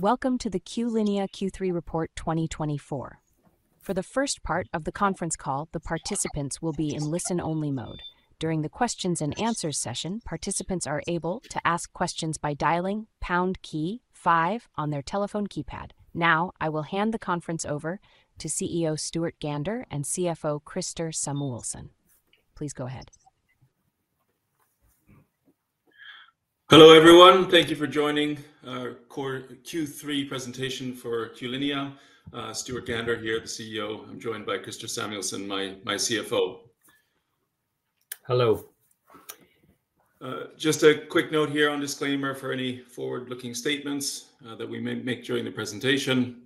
Welcome to the Q-linea Q3 Report 2024. For the first part of the conference call, the participants will be in listen-only mode. During the Q&A session, participants are able to ask questions by dialing #5 on their telephone keypad. Now, I will hand the conference over to CEO Stuart Gander and CFO Christer Samuelsson. Please go ahead. Hello everyone, thank you for joining our Q3 presentation for Q-linea. Stuart Gander here, the CEO, I'm joined by Christer Samuelsson, my CFO. Hello. Just a quick note here on disclaimer for any forward-looking statements that we may make during the presentation,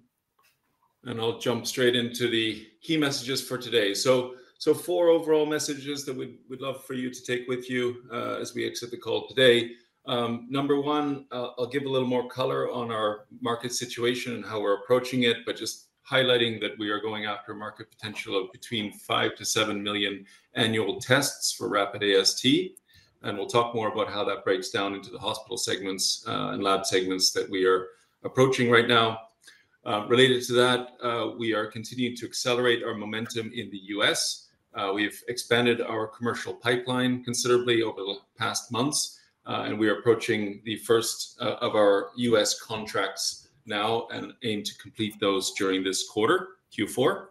and I'll jump straight into the key messages for today. So, four overall messages that we'd love for you to take with you as we exit the call today. Number one, I'll give a little more color on our market situation and how we're approaching it, but just highlighting that we are going after a market potential of between five to seven million annual tests for rapid AST, and we'll talk more about how that breaks down into the hospital segments and lab segments that we are approaching right now. Related to that, we are continuing to accelerate our momentum in the U.S. We've expanded our commercial pipeline considerably over the past months, and we are approaching the first of our U.S. contracts now and aim to complete those during this quarter, Q4.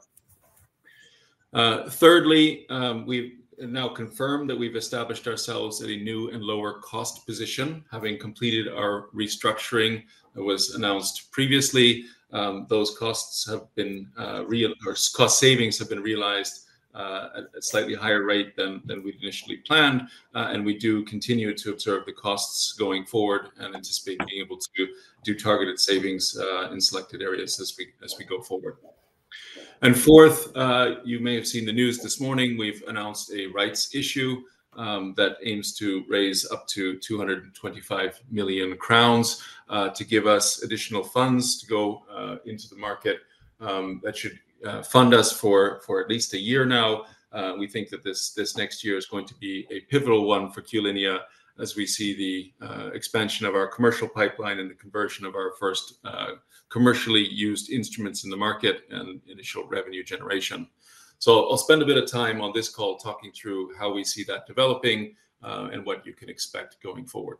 Thirdly, we've now confirmed that we've established ourselves at a new and lower cost position, having completed our restructuring that was announced previously. Those costs have been realized, or cost savings have been realized at a slightly higher rate than we initially planned, and we do continue to observe the costs going forward and anticipate being able to do targeted savings in selected areas as we go forward. And fourth, you may have seen the news this morning, we've announced a rights issue that aims to raise up to 225 million crowns to give us additional funds to go into the market that should fund us for at least a year now. We think that this next year is going to be a pivotal one for Q-linea as we see the expansion of our commercial pipeline and the conversion of our first commercially used instruments in the market and initial revenue generation. So, I'll spend a bit of time on this call talking through how we see that developing and what you can expect going forward.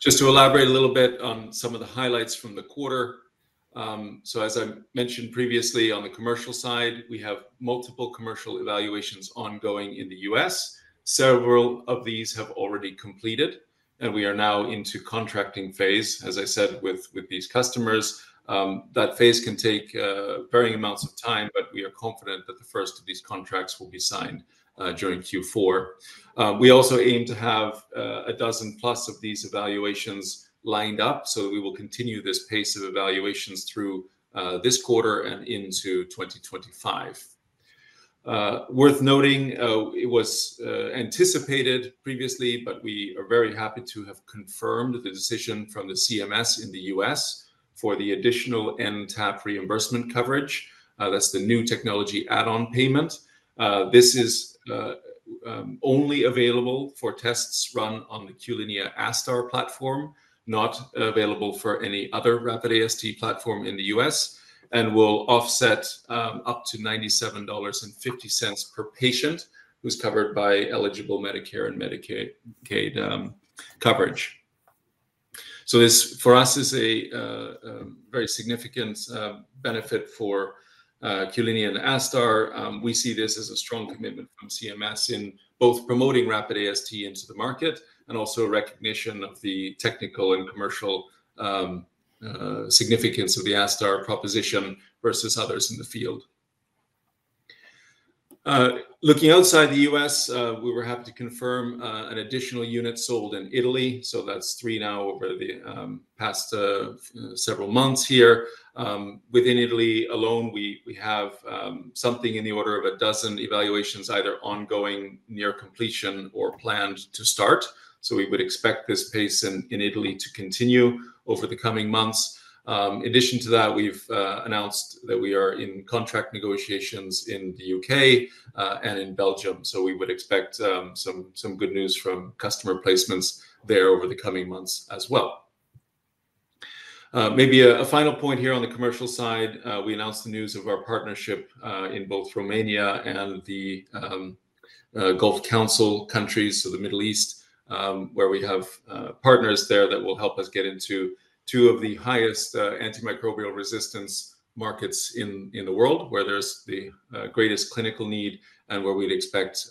Just to elaborate a little bit on some of the highlights from the quarter. So, as I mentioned previously, on the commercial side, we have multiple commercial evaluations ongoing in the U.S. Several of these have already completed, and we are now into contracting phase, as I said, with these customers. That phase can take varying amounts of time, but we are confident that the first of these contracts will be signed during Q4. We also aim to have a dozen plus of these evaluations lined up, so we will continue this pace of evaluations through this quarter and into 2025. Worth noting, it was anticipated previously, but we are very happy to have confirmed the decision from the CMS in the U.S. for the additional NTAP reimbursement coverage. That's the new technology add-on payment. This is only available for tests run on the Q-linea ASTar platform, not available for any other rapid AST platform in the U.S., and will offset up to $97.50 per patient who's covered by eligible Medicare and Medicaid coverage. So, this for us is a very significant benefit for Q-linea and ASTar. We see this as a strong commitment from CMS in both promoting rapid AST into the market and also recognition of the technical and commercial significance of the ASTar proposition versus others in the field. Looking outside the U.S., we were happy to confirm an additional unit sold in Italy, so that's three now over the past several months here. Within Italy alone, we have something in the order of a dozen evaluations, either ongoing, near completion, or planned to start. So, we would expect this pace in Italy to continue over the coming months. In addition to that, we've announced that we are in contract negotiations in the U.K. and in Belgium, so we would expect some good news from customer placements there over the coming months as well. Maybe a final point here on the commercial side, we announced the news of our partnership in both Romania and the Gulf Cooperation Council countries, so the Middle East, where we have partners there that will help us get into two of the highest antimicrobial resistance markets in the world, where there's the greatest clinical need and where we'd expect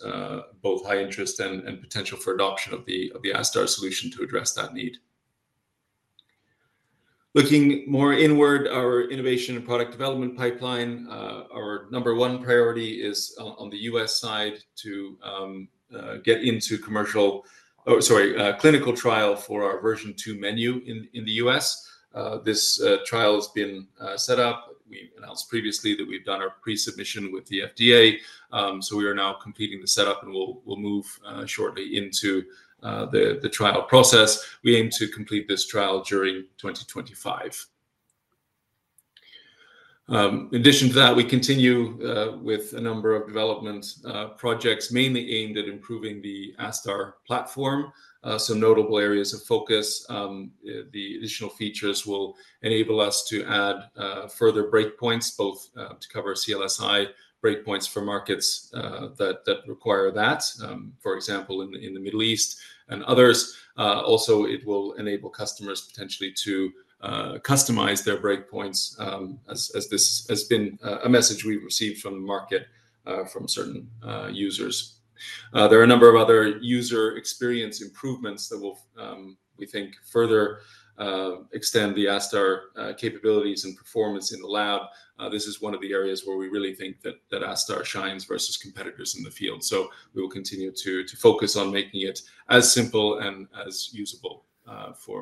both high interest and potential for adoption of the ASTar solution to address that need. Looking more inward, our innovation and product development pipeline, our number one priority is on the U.S. side to get into commercial, or sorry, clinical trial for our version two menu in the U.S. This trial has been set up. We announced previously that we've done our pre-submission with the FDA, so we are now completing the setup and we'll move shortly into the trial process. We aim to complete this trial during 2025. In addition to that, we continue with a number of development projects mainly aimed at improving the ASTar platform. So, notable areas of focus, the additional features will enable us to add further breakpoints, both to cover CLSI breakpoints for markets that require that, for example, in the Middle East and others. Also, it will enable customers potentially to customize their breakpoints, as this has been a message we've received from the market from certain users. There are a number of other user experience improvements that will, we think, further extend the ASTar capabilities and performance in the lab. This is one of the areas where we really think that ASTar shines versus competitors in the field. So, we will continue to focus on making it as simple and as usable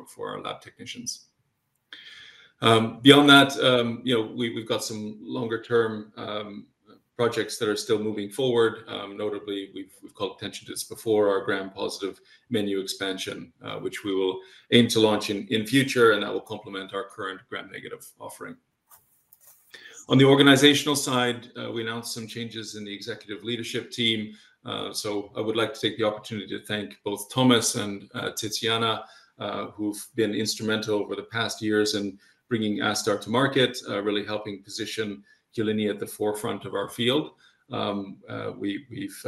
for our lab technicians. Beyond that, we've got some longer-term projects that are still moving forward. Notably, we've called attention to this before, our Gram-positive menu expansion, which we will aim to launch in future, and that will complement our current Gram-negative offering. On the organizational side, we announced some changes in the executive leadership team. So, I would like to take the opportunity to thank both Thomas and Tiziana, who've been instrumental over the past years in bringing ASTar to market, really helping position Q-linea at the forefront of our field. We've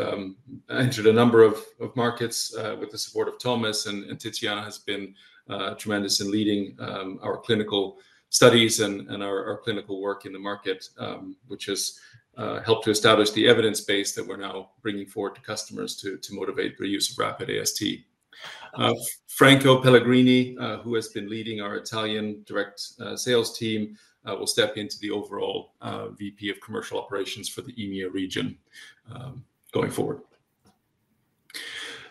entered a number of markets with the support of Thomas, and Tiziana has been tremendous in leading our clinical studies and our clinical work in the market, which has helped to establish the evidence base that we're now bringing forward to customers to motivate the use of rapid AST. Franco Pellegrini, who has been leading our Italian direct sales team, will step into the overall VP of Commercial Operations for the EMEA region going forward.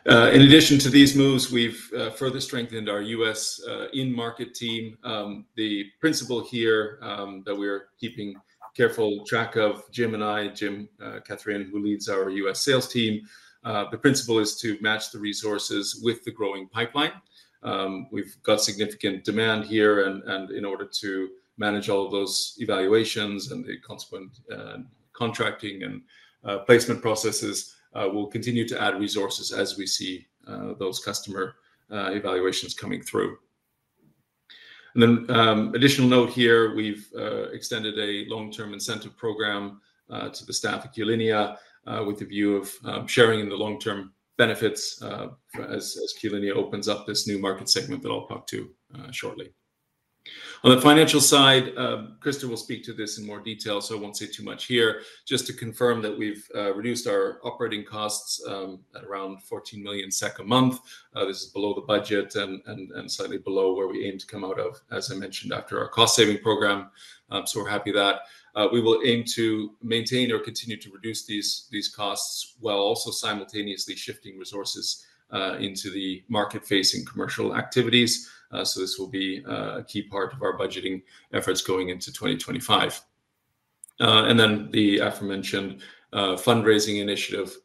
In addition to these moves, we've further strengthened our U.S. in-market team. The principle here that we're keeping careful track of, Jim and I, Jim Kathrein, who leads our U.S. sales team, the principle is to match the resources with the growing pipeline. We've got significant demand here, and in order to manage all of those evaluations and the consequent contracting and placement processes, we'll continue to add resources as we see those customer evaluations coming through, and then additional note here, we've extended a long-term incentive program to the staff at Q-linea with the view of sharing in the long-term benefits as Q-linea opens up this new market segment that I'll talk to shortly. On the financial side, Christer will speak to this in more detail, so I won't say too much here. Just to confirm that we've reduced our operating costs at around 14 million SEK a month. This is below the budget and slightly below where we aim to come out of, as I mentioned, after our cost-saving program. So, we're happy that. We will aim to maintain or continue to reduce these costs while also simultaneously shifting resources into the market-facing commercial activities. So, this will be a key part of our budgeting efforts going into 2025. And then the aforementioned fundraising initiative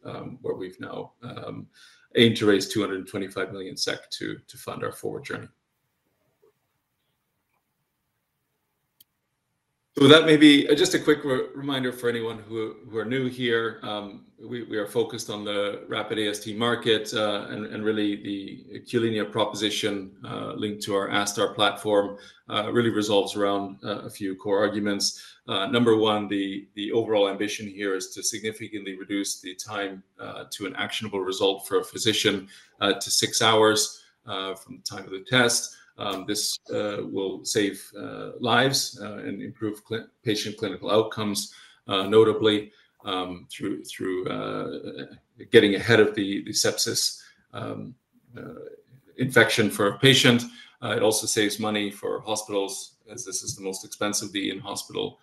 where we've now aimed to raise 225 million SEK to fund our forward journey. So, that may be just a quick reminder for anyone who are new here. We are focused on the rapid AST market, and really the Q-linea proposition linked to our ASTar platform really results around a few core arguments. Number one, the overall ambition here is to significantly reduce the time to an actionable result for a physician to six hours from the time of the test. This will save lives and improve patient clinical outcomes, notably through getting ahead of the sepsis infection for a patient. It also saves money for hospitals, as this is the most expensive the in-hospital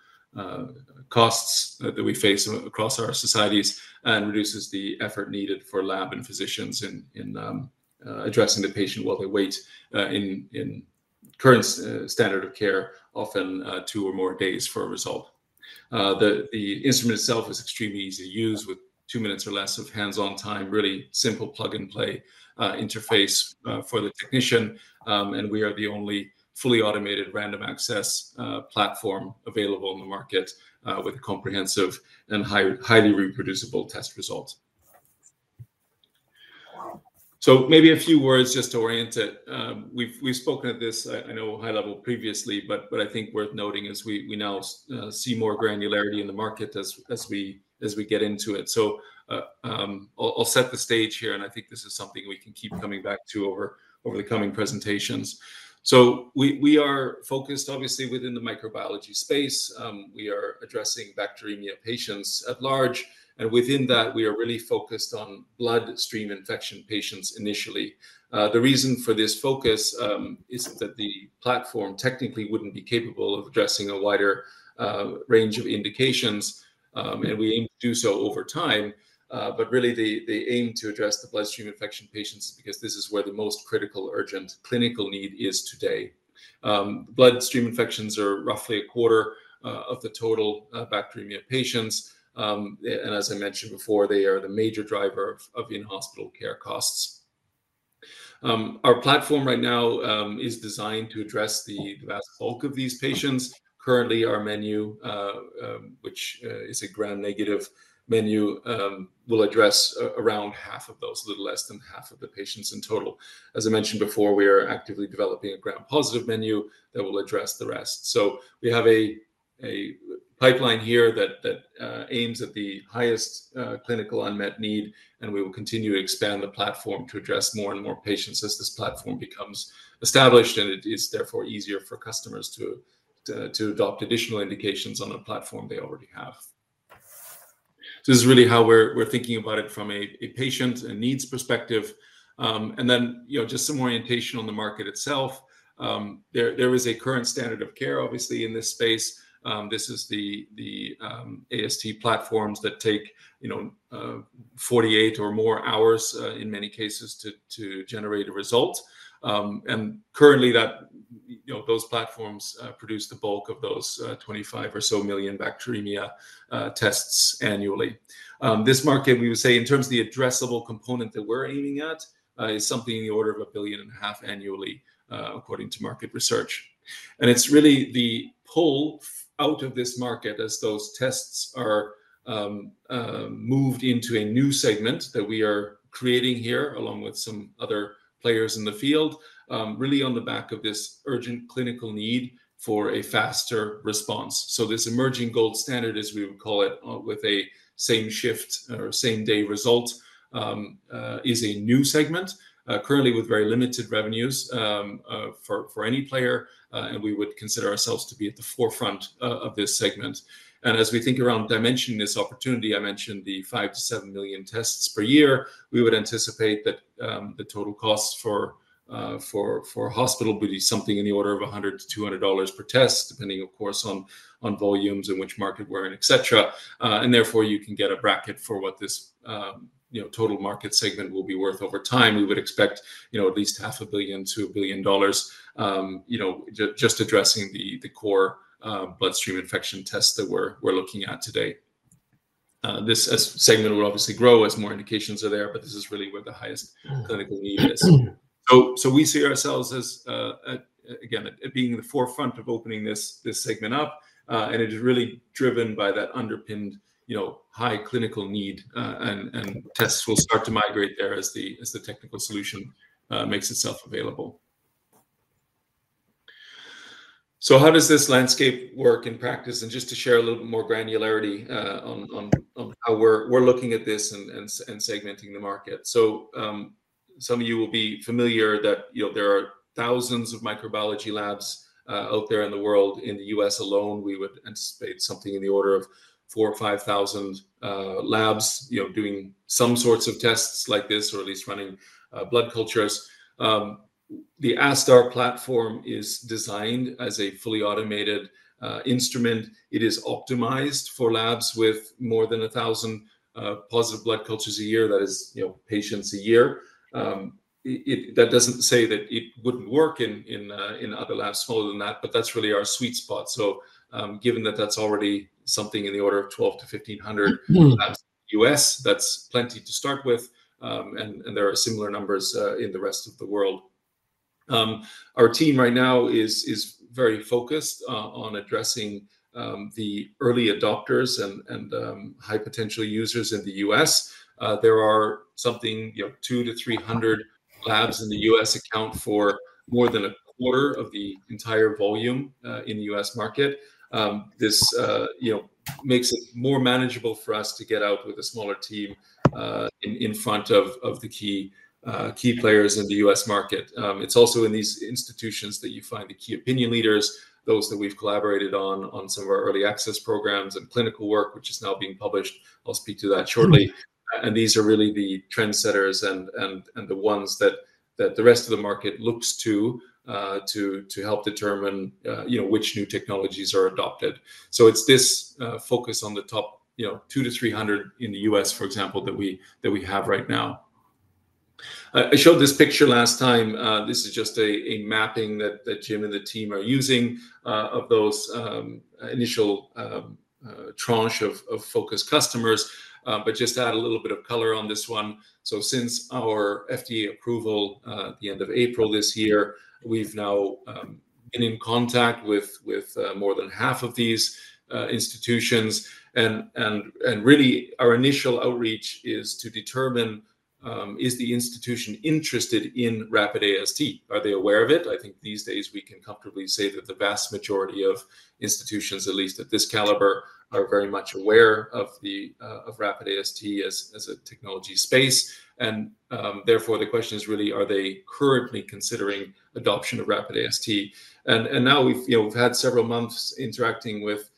costs that we face across our societies, and reduces the effort needed for lab and physicians in addressing the patient while they wait in current standard of care, often two or more days for a result. The instrument itself is extremely easy to use with two minutes or less of hands-on time, really simple plug-and-play interface for the technician, and we are the only fully automated random access platform available in the market with a comprehensive and highly reproducible test result, so maybe a few words just to orient it. We've spoken of this, I know, high level previously, but I think worth noting is we now see more granularity in the market as we get into it, so I'll set the stage here, and I think this is something we can keep coming back to over the coming presentations, so we are focused, obviously, within the microbiology space. We are addressing bacteremia patients at large, and within that, we are really focused on bloodstream infection patients initially. The reason for this focus is that the platform technically wouldn't be capable of addressing a wider range of indications, and we aim to do so over time, but really they aim to address the bloodstream infection patients because this is where the most critical, urgent clinical need is today. Bloodstream infections are roughly a quarter of the total bacteremia patients, and as I mentioned before, they are the major driver of in-hospital care costs. Our platform right now is designed to address the vast bulk of these patients. Currently, our menu, which is a Gram-negative menu, will address around half of those, a little less than half of the patients in total. As I mentioned before, we are actively developing a Gram-positive menu that will address the rest. We have a pipeline here that aims at the highest clinical unmet need, and we will continue to expand the platform to address more and more patients as this platform becomes established, and it is therefore easier for customers to adopt additional indications on a platform they already have. This is really how we're thinking about it from a patient and needs perspective. You know, just some orientation on the market itself. There is a current standard of care, obviously, in this space. This is the AST platforms that take 48 or more hours in many cases to generate a result. Currently, those platforms produce the bulk of those 25 or so million bacteremia tests annually. This market, we would say, in terms of the addressable component that we're aiming at, is something in the order of 1.5 billion annually, according to market research. And it's really the pull out of this market as those tests are moved into a new segment that we are creating here, along with some other players in the field, really on the back of this urgent clinical need for a faster response. So, this emerging gold standard, as we would call it, with a same shift or same-day result, is a new segment, currently with very limited revenues for any player, and we would consider ourselves to be at the forefront of this segment. And as we think around dimensioning this opportunity, I mentioned the 5-7 million tests per year, we would anticipate that the total cost for hospital would be something in the order of $100-$200 per test, depending, of course, on volumes and which market we're in, et cetera. And therefore, you can get a bracket for what this total market segment will be worth over time. We would expect at least $500 million-$1 billion just addressing the core bloodstream infection tests that we're looking at today. This segment will obviously grow as more indications are there, but this is really where the highest clinical need is. We see ourselves as, again, being the forefront of opening this segment up, and it is really driven by that underpinned high clinical need, and tests will start to migrate there as the technical solution makes itself available. How does this landscape work in practice? Just to share a little bit more granularity on how we're looking at this and segmenting the market. Some of you will be familiar that there are thousands of microbiology labs out there in the world. In the U.S. alone, we would anticipate something in the order of four or five thousand labs doing some sorts of tests like this, or at least running blood cultures. The ASTar platform is designed as a fully automated instrument. It is optimized for labs with more than a thousand positive blood cultures a year. That is patients a year. That doesn't say that it wouldn't work in other labs smaller than that, but that's really our sweet spot. So, given that that's already something in the order of 1,200-1,500 labs in the U.S., that's plenty to start with, and there are similar numbers in the rest of the world. Our team right now is very focused on addressing the early adopters and high potential users in the U.S. There are something 200-300 labs in the U.S. account for more than a quarter of the entire volume in the U.S. market. This makes it more manageable for us to get out with a smaller team in front of the key players in the U.S. market. It's also in these institutions that you find the key opinion leaders, those that we've collaborated on some of our early access programs and clinical work, which is now being published. I'll speak to that shortly, and these are really the trendsetters and the ones that the rest of the market looks to to help determine which new technologies are adopted, so it's this focus on the top two to three hundred in the U.S., for example, that we have right now. I showed this picture last time. This is just a mapping that Jim and the team are using of those initial tranche of focus customers, but just add a little bit of color on this one, so since our FDA approval at the end of April this year, we've now been in contact with more than half of these institutions. Really, our initial outreach is to determine if the institution is interested in rapid AST. Are they aware of it? I think these days we can comfortably say that the vast majority of institutions, at least at this caliber, are very much aware of rapid AST as a technology space. Therefore, the question is really, are they currently considering adoption of rapid AST? Now we've had several months interacting with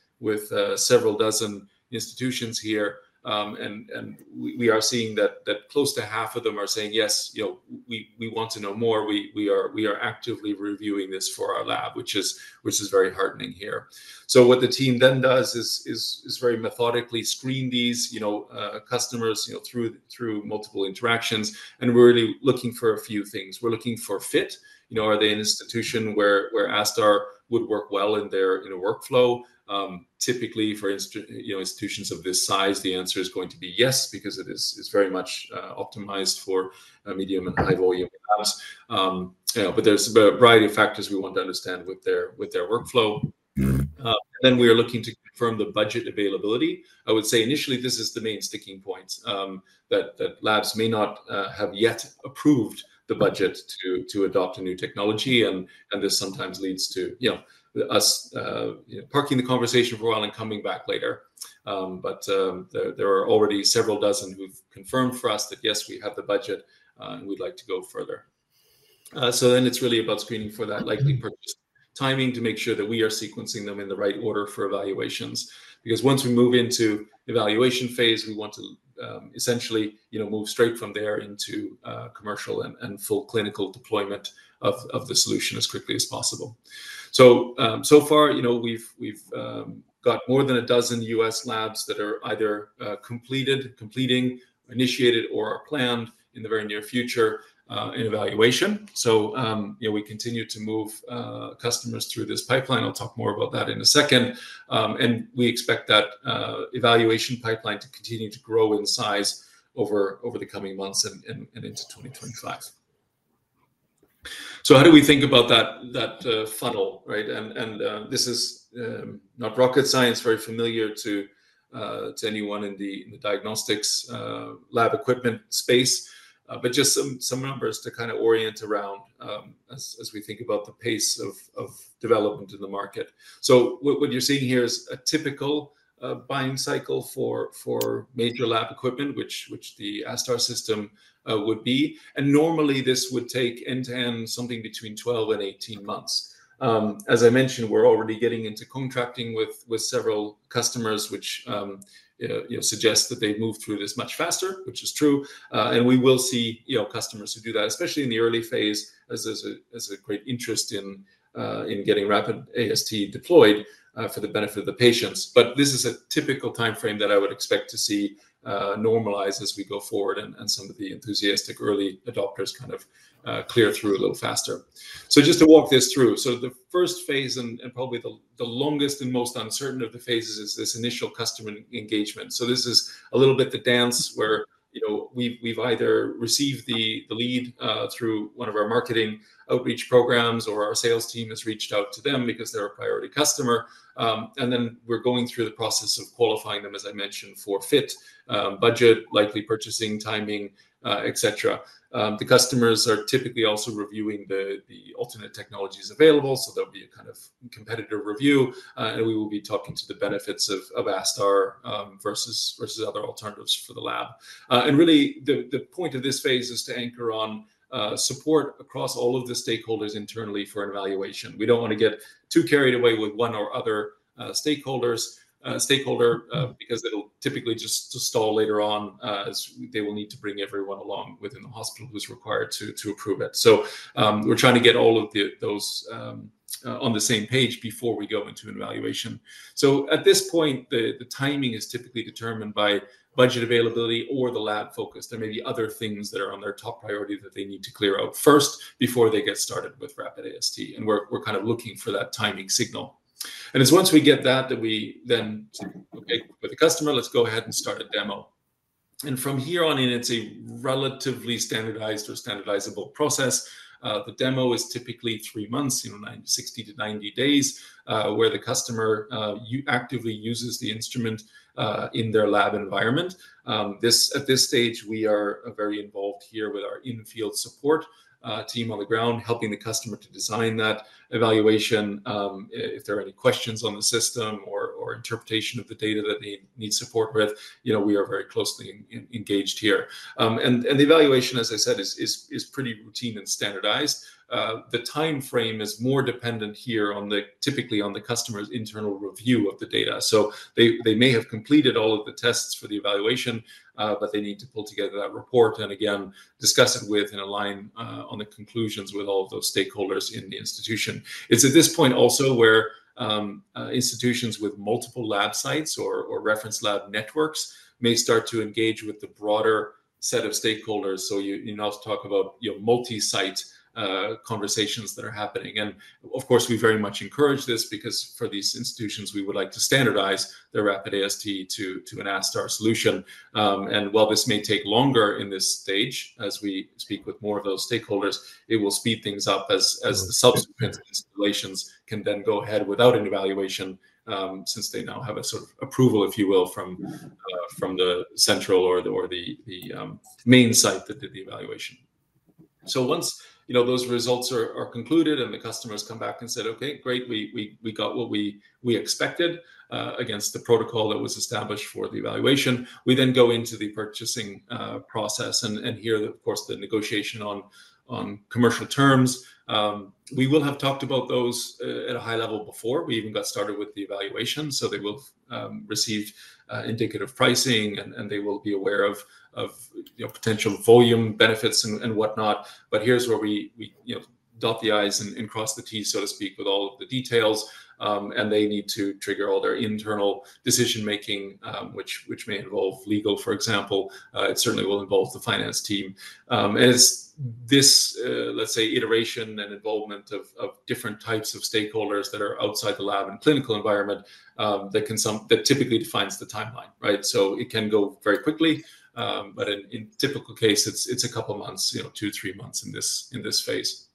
several dozen institutions here, and we are seeing that close to half of them are saying, yes, we want to know more. We are actively reviewing this for our lab, which is very heartening here. What the team then does is very methodically screen these customers through multiple interactions, and we're really looking for a few things. We're looking for fit. Are they an institution where ASTar would work well in their workflow? Typically, for institutions of this size, the answer is going to be yes because it is very much optimized for medium and high volume labs. But there's a variety of factors we want to understand with their workflow. Then we are looking to confirm the budget availability. I would say initially, this is the main sticking point that labs may not have yet approved the budget to adopt a new technology, and this sometimes leads to us parking the conversation for a while and coming back later. But there are already several dozen who've confirmed for us that, yes, we have the budget and we'd like to go further. So, then it's really about screening for that likely purchase timing to make sure that we are sequencing them in the right order for evaluations. Because once we move into evaluation phase, we want to essentially move straight from there into commercial and full clinical deployment of the solution as quickly as possible, so, so far, we've got more than a dozen U.S. labs that are either completed, completing, initiated, or planned in the very near future in evaluation, so we continue to move customers through this pipeline. I'll talk more about that in a second, and we expect that evaluation pipeline to continue to grow in size over the coming months and into 2025, so how do we think about that funnel, and this is not rocket science, very familiar to anyone in the diagnostics lab equipment space, but just some numbers to kind of orient around as we think about the pace of development in the market. What you're seeing here is a typical buying cycle for major lab equipment, which the ASTar system would be. Normally, this would take end to end something between 12 and 18 months. As I mentioned, we're already getting into contracting with several customers, which suggests that they've moved through this much faster, which is true. We will see customers who do that, especially in the early phase, as there's a great interest in getting rapid AST deployed for the benefit of the patients. This is a typical timeframe that I would expect to see normalize as we go forward and some of the enthusiastic early adopters kind of clear through a little faster. Just to walk this through. The first phase and probably the longest and most uncertain of the phases is this initial customer engagement. So, this is a little bit the dance where we've either received the lead through one of our marketing outreach programs or our sales team has reached out to them because they're a priority customer. Then we're going through the process of qualifying them, as I mentioned, for fit, budget, likely purchasing timing, et cetera. The customers are typically also reviewing the alternate technologies available, so there'll be a kind of competitor review, and we will be talking to the benefits of ASTar versus other alternatives for the lab. Really, the point of this phase is to anchor on support across all of the stakeholders internally for an evaluation. We don't want to get too carried away with one or other stakeholder because it'll typically just stall later on as they will need to bring everyone along within the hospital who's required to approve it. So, we're trying to get all of those on the same page before we go into an evaluation. So, at this point, the timing is typically determined by budget availability or the lab focus. There may be other things that are on their top priority that they need to clear out first before they get started with rapid AST, and we're kind of looking for that timing signal. And it's once we get that that we then say, okay, with the customer, let's go ahead and start a demo. And from here on in, it's a relatively standardized or standardizable process. The demo is typically three months, 60 to 90 days, where the customer actively uses the instrument in their lab environment. At this stage, we are very involved here with our in-field support team on the ground, helping the customer to design that evaluation. If there are any questions on the system or interpretation of the data that they need support with, we are very closely engaged here. The evaluation, as I said, is pretty routine and standardized. The timeframe is more dependent here typically on the customer's internal review of the data. They may have completed all of the tests for the evaluation, but they need to pull together that report and again, discuss it with and align on the conclusions with all of those stakeholders in the institution. It's at this point also where institutions with multiple lab sites or reference lab networks may start to engage with the broader set of stakeholders. You'll talk about multi-site conversations that are happening. Of course, we very much encourage this because for these institutions, we would like to standardize their rapid AST to an ASTar solution. While this may take longer in this stage, as we speak with more of those stakeholders, it will speed things up as the subsequent installations can then go ahead without an evaluation since they now have a sort of approval, if you will, from the central or the main site that did the evaluation. Once those results are concluded and the customers come back and said, okay, great, we got what we expected against the protocol that was established for the evaluation, we then go into the purchasing process and here, of course, the negotiation on commercial terms. We will have talked about those at a high level before. We even got started with the evaluation. They will receive indicative pricing and they will be aware of potential volume benefits and whatnot. But here's where we dot the i's and cross the t's, so to speak, with all of the details. And they need to trigger all their internal decision-making, which may involve legal, for example. It certainly will involve the finance team. And it's this, let's say, iteration and involvement of different types of stakeholders that are outside the lab and clinical environment that typically defines the timeline, right? So, it can go very quickly, but in typical case, it's a couple of months, two, three months in this phase.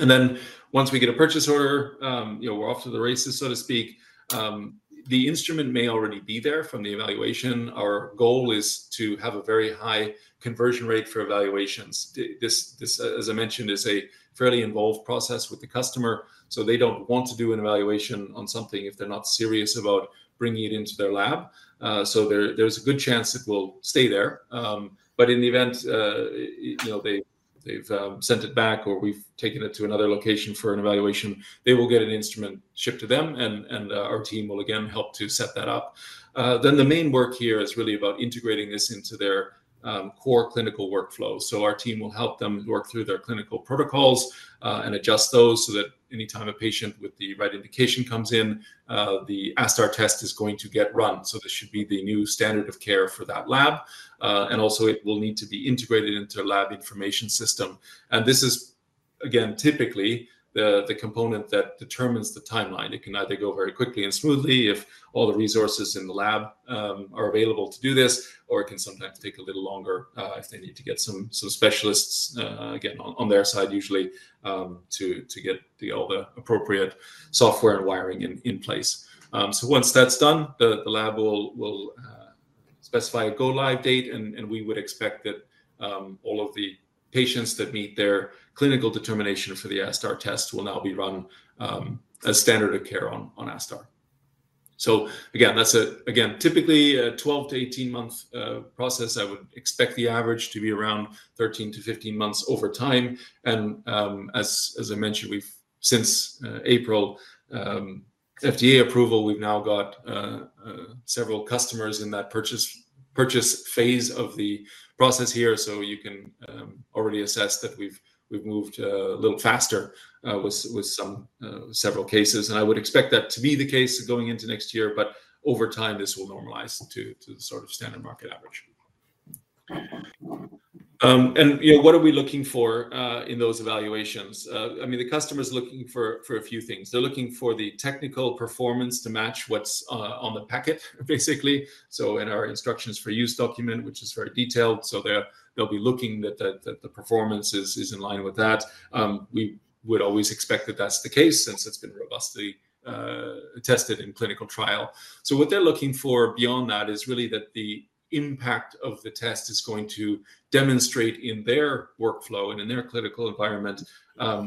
And then once we get a purchase order, we're off to the races, so to speak. The instrument may already be there from the evaluation. Our goal is to have a very high conversion rate for evaluations. This, as I mentioned, is a fairly involved process with the customer. So, they don't want to do an evaluation on something if they're not serious about bringing it into their lab. So, there's a good chance it will stay there. But in the event they've sent it back or we've taken it to another location for an evaluation, they will get an instrument shipped to them and our team will again help to set that up. Then the main work here is really about integrating this into their core clinical workflow. So, our team will help them work through their clinical protocols and adjust those so that anytime a patient with the right indication comes in, the ASTar test is going to get run. So, this should be the new standard of care for that lab. And also, it will need to be integrated into a lab information system. And this is, again, typically the component that determines the timeline. It can either go very quickly and smoothly if all the resources in the lab are available to do this, or it can sometimes take a little longer if they need to get some specialists again on their side, usually to get all the appropriate software and wiring in place. So, once that's done, the lab will specify a go-live date and we would expect that all of the patients that meet their clinical determination for the ASTar test will now be run as standard of care on ASTar. So, again, that's a, again, typically a 12-18 month process. I would expect the average to be around 13-15 months over time. And as I mentioned, since April FDA approval, we've now got several customers in that purchase phase of the process here. So, you can already assess that we've moved a little faster with several cases. And I would expect that to be the case going into next year, but over time, this will normalize to the sort of standard market average. And what are we looking for in those evaluations? I mean, the customer is looking for a few things. They're looking for the technical performance to match what's on the packet, basically. So, in our instructions for use document, which is very detailed. So, they'll be looking that the performance is in line with that. We would always expect that that's the case since it's been robustly tested in clinical trial. So, what they're looking for beyond that is really that the impact of the test is going to demonstrate in their workflow and in their clinical environment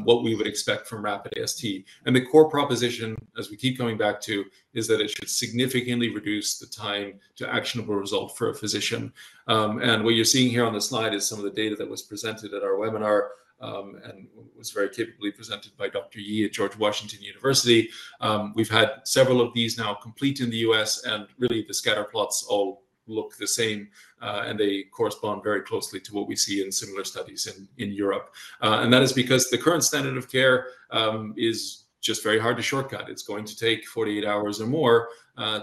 what we would expect from rapid AST. The core proposition, as we keep coming back to, is that it should significantly reduce the time to actionable result for a physician. What you're seeing here on the slide is some of the data that was presented at our webinar and was very capably presented by Dr. Yee at George Washington University. We've had several of these now complete in the U.S. and really the scatter plots all look the same and they correspond very closely to what we see in similar studies in Europe. That is because the current standard of care is just very hard to shortcut. It's going to take 48 hours or more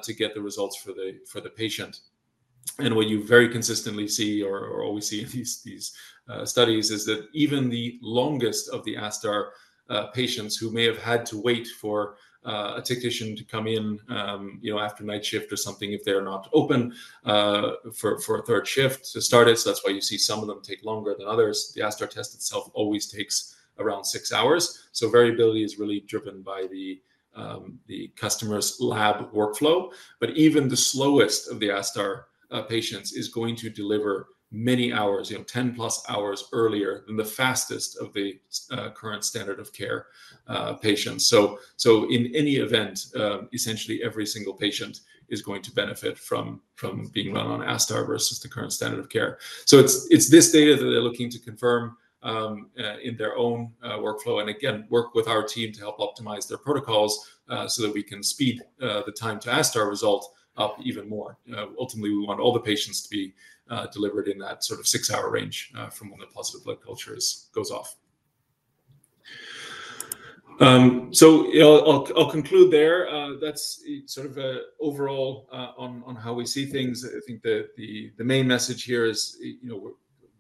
to get the results for the patient. What you very consistently see or always see in these studies is that even the longest of the ASTar patients who may have had to wait for a technician to come in after night shift or something if they're not open for a third shift to start it. That's why you see some of them take longer than others. The ASTar test itself always takes around six hours. Variability is really driven by the customer's lab workflow. Even the slowest of the ASTar patients is going to deliver many hours, 10 plus hours earlier than the fastest of the current standard of care patients. In any event, essentially every single patient is going to benefit from being run on ASTar versus the current standard of care. So, it's this data that they're looking to confirm in their own workflow and again, work with our team to help optimize their protocols so that we can speed the time to ASTar result up even more. Ultimately, we want all the patients to be delivered in that sort of six-hour range from when the positive blood culture goes off. So, I'll conclude there. That's sort of overall on how we see things. I think the main message here is we're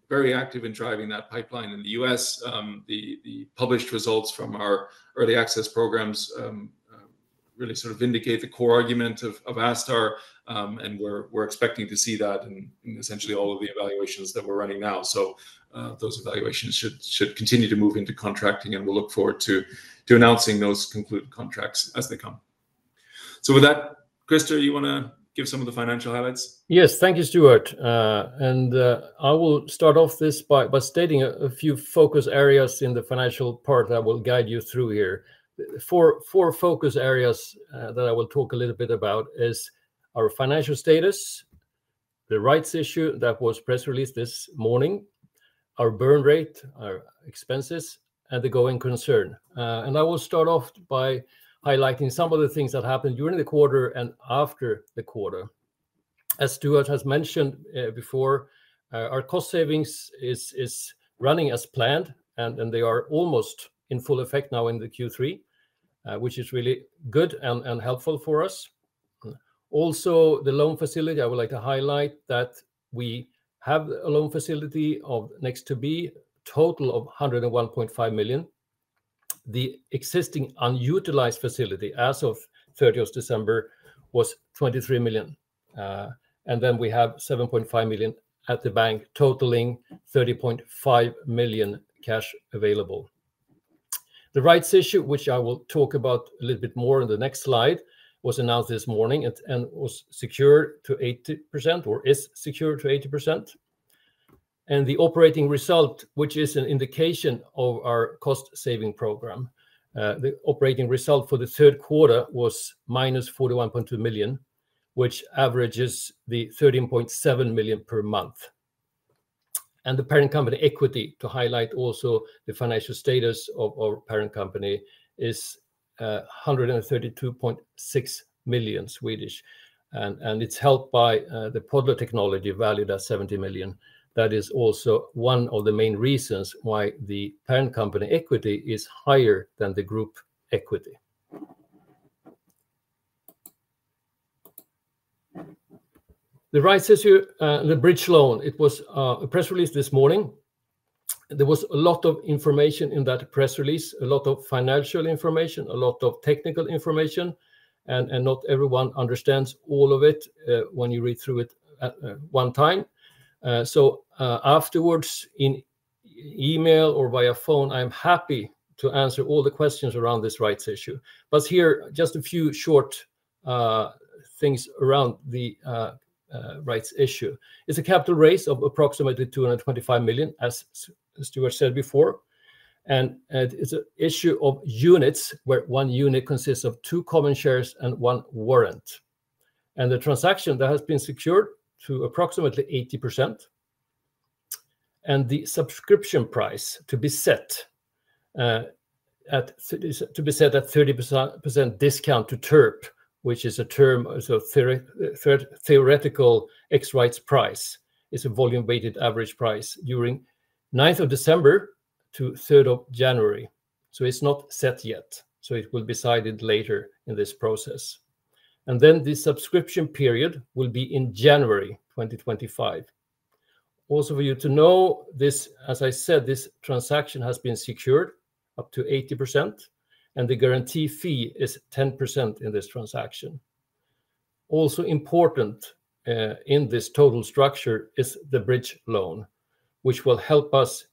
very active in driving that pipeline in the U.S. The published results from our early access programs really sort of indicate the core argument of ASTar and we're expecting to see that in essentially all of the evaluations that we're running now. So, those evaluations should continue to move into contracting and we'll look forward to announcing those concluded contracts as they come. With that, Christer, you want to give some of the financial highlights? Yes, thank you, Stuart. I will start off this by stating a few focus areas in the financial part that I will guide you through here. Four focus areas that I will talk a little bit about are our financial status, the rights issue that was press released this morning, our burn rate, our expenses, and the going concern. I will start off by highlighting some of the things that happened during the quarter and after the quarter. As Stuart has mentioned before, our cost savings is running as planned and they are almost in full effect now in the Q3, which is really good and helpful for us. Also, the loan facility, I would like to highlight that we have a loan facility expected to be a total of 101.5 million. The existing unutilized facility as of 30th of December was 23 million. And then we have 7.5 million at the bank totaling 30.5 million cash available. The rights issue, which I will talk about a little bit more in the next slide, was announced this morning and was secured to 80% or is secured to 80%. And the operating result, which is an indication of our cost saving program, the operating result for the third quarter was minus 41.2 million, which averages the 13.7 million per month. And the parent company equity, to highlight also the financial status of our parent company, is 132.6 million. And it's helped by the Podler technology valued at 70 million. That is also one of the main reasons why the parent company equity is higher than the group equity. The rights issue, the bridge loan, it was press released this morning. There was a lot of information in that press release, a lot of financial information, a lot of technical information, and not everyone understands all of it when you read through it one time. So, afterwards, in email or via phone, I'm happy to answer all the questions around this rights issue. But here, just a few short things around the rights issue. It's a capital raise of approximately 225 million, as Stuart said before. And it's an issue of units where one unit consists of two common shares and one warrant. And the transaction that has been secured to approximately 80%. And the subscription price to be set at 30% discount to TERP, which is a term, so theoretical Ex-rights price is a volume-weighted average price during 9th of December to 3rd of January. So, it's not set yet. So, it will be set later in this process. And then the subscription period will be in January 2025. Also, for you to know this, as I said, this transaction has been secured up to 80% and the guarantee fee is 10% in this transaction. Also important in this total structure is the bridge loan, which will help us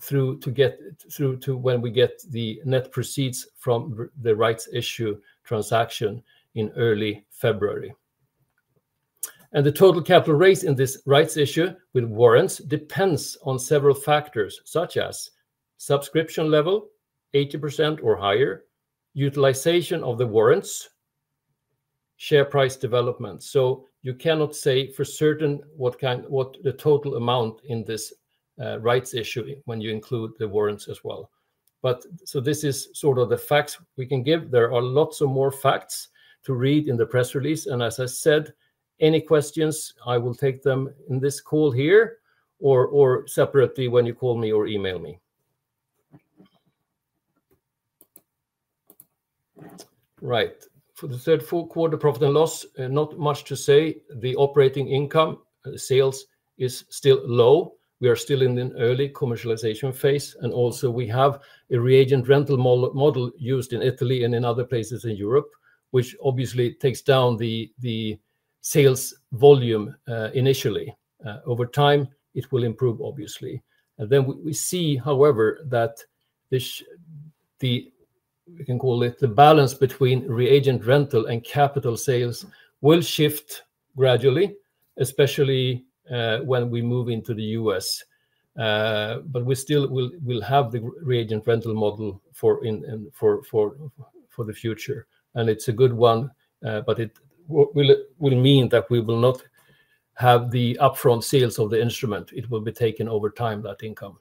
through to when we get the net proceeds from the rights issue transaction in early February. And the total capital raise in this rights issue with warrants depends on several factors such as subscription level, 80% or higher, utilization of the warrants, share price development. So, you cannot say for certain what the total amount in this rights issue when you include the warrants as well. But, so this is sort of the facts we can give. There are lots of more facts to read in the press release. As I said, any questions, I will take them in this call here or separately when you call me or email me. Right. For the third quarter profit and loss, not much to say. The operating income sales is still low. We are still in an early commercialization phase. And also, we have a reagent rental model used in Italy and in other places in Europe, which obviously takes down the sales volume initially. Over time, it will improve, obviously. And then we see, however, that the, we can call it the balance between reagent rental and capital sales will shift gradually, especially when we move into the U.S. But we still will have the reagent rental model for the future. And it's a good one, but it will mean that we will not have the upfront sales of the instrument. It will be taken over time, that income.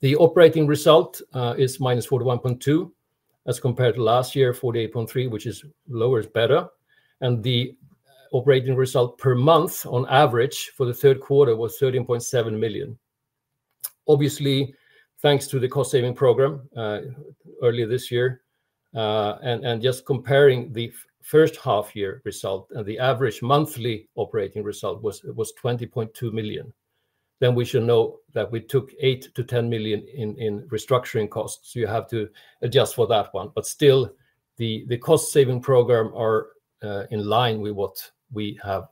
The operating result is minus 41.2 as compared to last year, 48.3, which is lower is better. The operating result per month on average for the third quarter was 13.7 million. Obviously, thanks to the cost saving program earlier this year, and just comparing the first half year result and the average monthly operating result was 20.2 million. We should know that we took 8-10 million in restructuring costs. You have to adjust for that one. Still, the cost saving program are in line with what we have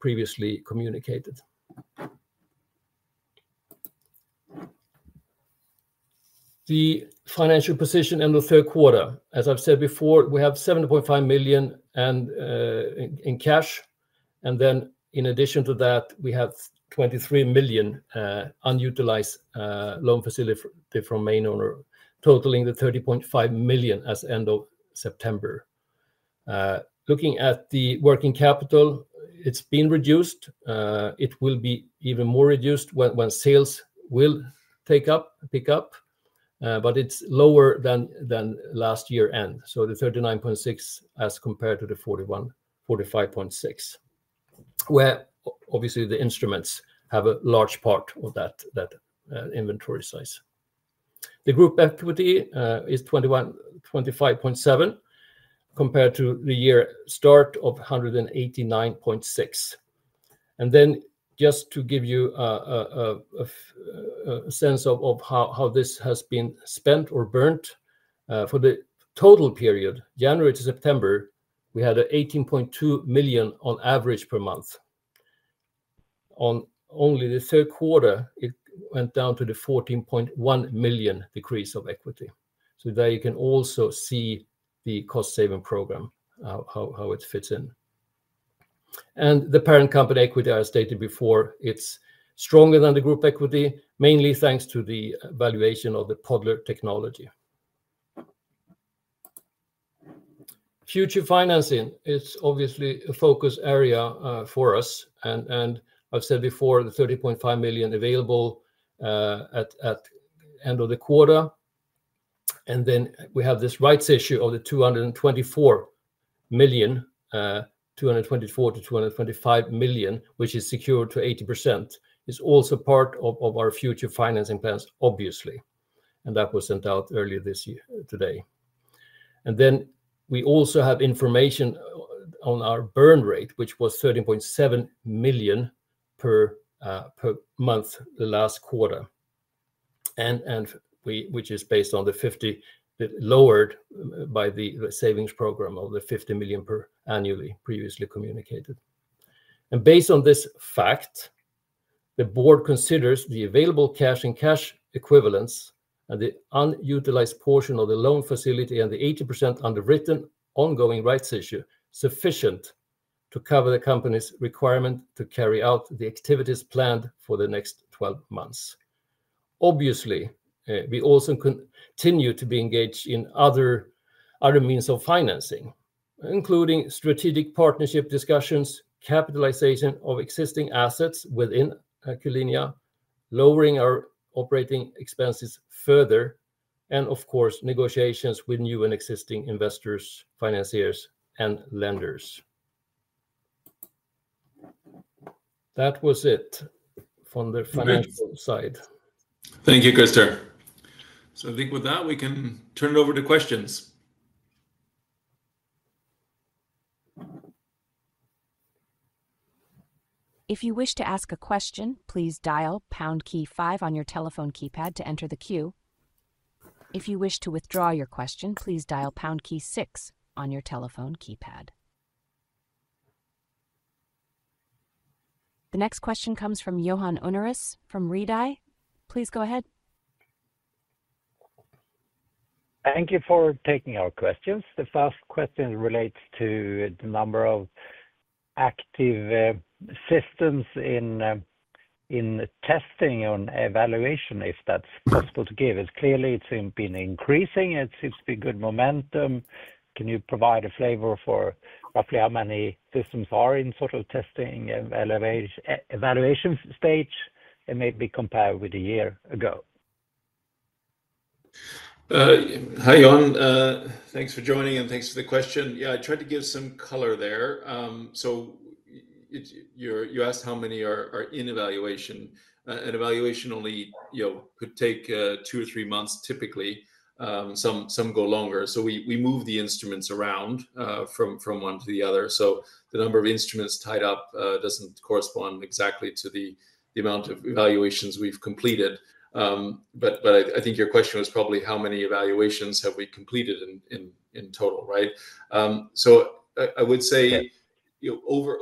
previously communicated. The financial position in the third quarter, as I've said before, we have 7.5 million in cash. Then in addition to that, we have 23 million unutilized loan facility from main owner totaling the 30.5 million as end of September. Looking at the working capital, it's been reduced. It will be even more reduced when sales will take up, pick up, but it's lower than last year-end. The 39.6 as compared to the 41.6, 45.6, where obviously the instruments have a large part of that inventory size. The group equity is 25.7 compared to the year start of 189.6. Then just to give you a sense of how this has been spent or burnt for the total period, January to September, we had 18.2 million on average per month. In only the third quarter, it went down to the 14.1 million decrease of equity. There you can also see the cost-saving program, how it fits in. The parent company equity, I stated before, it's stronger than the group equity, mainly thanks to the valuation of the Podler technology. Future financing is obviously a focus area for us. And I've said before, the 30.5 million available at the end of the quarter. And then we have this rights issue of the 224 million, 224-225 million, which is secured to 80%. It's also part of our future financing plans, obviously. And that was sent out earlier this year today. And then we also have information on our burn rate, which was 13.7 million per month the last quarter, which is based on the 50 lowered by the savings program of the 50 million per annually previously communicated. And based on this fact, the board considers the available cash and cash equivalents and the unutilized portion of the loan facility and the 80% underwritten ongoing rights issue sufficient to cover the company's requirement to carry out the activities planned for the next 12 months. Obviously, we also continue to be engaged in other means of financing, including strategic partnership discussions, capitalization of existing assets within Q-linea, lowering our operating expenses further, and of course, negotiations with new and existing investors, financiers, and lenders. That was it from the financial side. Thank you, Christer. So I think with that, we can turn it over to questions. If you wish to ask a question, please dial pound key five on your telephone keypad to enter the queue. If you wish to withdraw your question, please dial pound key six on your telephone keypad. The next question comes from Johan Unnerus from Redeye. Please go ahead. Thank you for taking our questions. The first question relates to the number of active systems in testing or evaluation, if that's possible to give. It's clearly been increasing. It seems to be good momentum. Can you provide a flavor for roughly how many systems are in sort of testing and evaluation stage? It may be compared with a year ago. Hi, Johan. Thanks for joining and thanks for the question. Yeah, I tried to give some color there, so you asked how many are in evaluation. An evaluation only could take two or three months typically. Some go longer, so we move the instruments around from one to the other, so the number of instruments tied up doesn't correspond exactly to the amount of evaluations we've completed, but I think your question was probably how many evaluations have we completed in total, right? So I would say over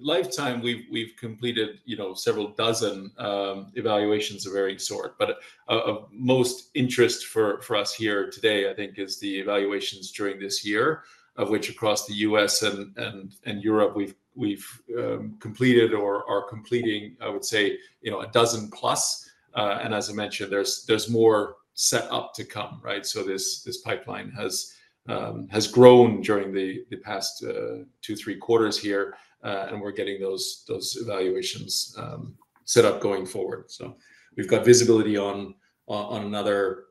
lifetime, we've completed several dozen evaluations of varying sort, but of most interest for us here today, I think, is the evaluations during this year, of which across the U.S. and Europe, we've completed or are completing, I would say, a dozen plus, and as I mentioned, there's more set up to come, right? So this pipeline has grown during the past two, three quarters here, and we're getting those evaluations set up going forward. So we've got visibility on another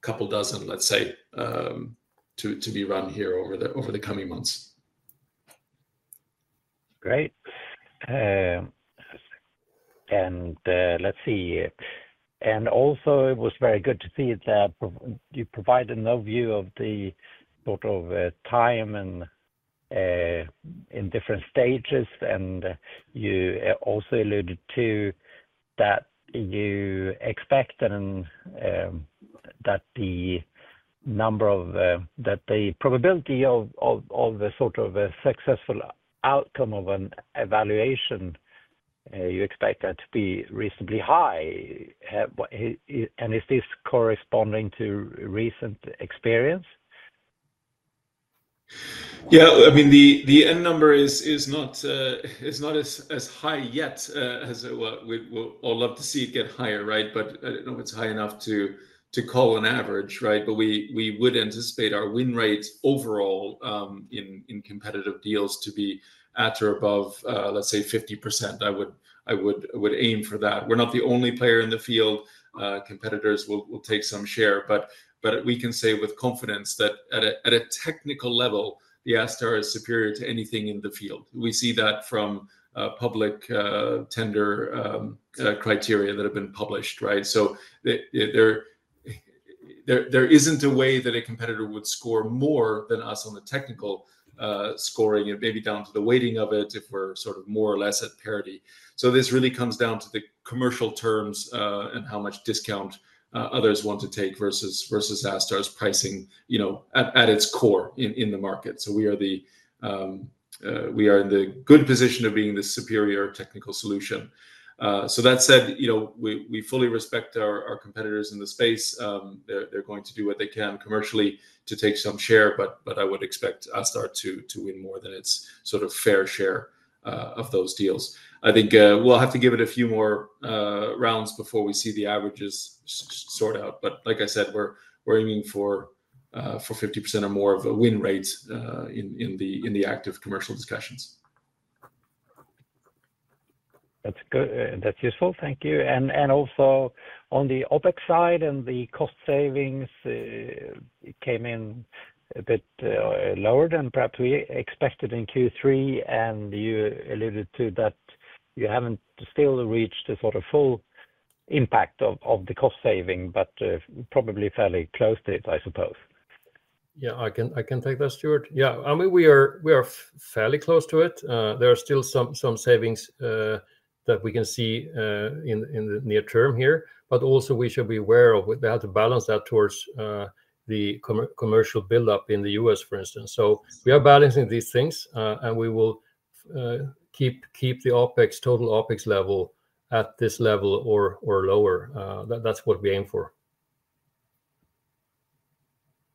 couple dozen, let's say, to be run here over the coming months. Great. And let's see. And also, it was very good to see that you provided a view of the sort of timeline in different stages. And you also alluded to that you expect that the number of, that the probability of the sort of successful outcome of an evaluation, you expect that to be reasonably high. And is this corresponding to recent experience? Yeah, I mean, the end number is not as high yet as we would all love to see it get higher, right? But I don't know if it's high enough to call an average, right? But we would anticipate our win rates overall in competitive deals to be at or above, let's say, 50%. I would aim for that. We're not the only player in the field. Competitors will take some share. But we can say with confidence that at a technical level, the ASTar is superior to anything in the field. We see that from public tender criteria that have been published, right? So there isn't a way that a competitor would score more than us on the technical scoring, and maybe down to the weighting of it if we're sort of more or less at parity. So this really comes down to the commercial terms and how much discount others want to take versus ASTar's pricing at its core in the market. So we are in the good position of being the superior technical solution. So that said, we fully respect our competitors in the space. They're going to do what they can commercially to take some share, but I would expect ASTar to win more than its sort of fair share of those deals. I think we'll have to give it a few more rounds before we see the averages sort out. But like I said, we're aiming for 50% or more of a win rate in the active commercial discussions. That's useful. Thank you. And also on the OpEx side and the cost savings, it came in a bit lower than perhaps we expected in Q3. And you alluded to that you haven't still reached the sort of full impact of the cost saving, but probably fairly close to it, I suppose. Yeah, I can take that, Stuart. Yeah, I mean, we are fairly close to it. There are still some savings that we can see in the near term here. But also we should be aware of how to balance that towards the commercial buildup in the U.S., for instance. So we are balancing these things, and we will keep the OpEx, total OpEx level at this level or lower. That's what we aim for.